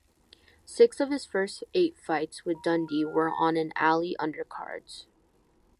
Six of his first eight fights with Dundee were on an Ali undercards.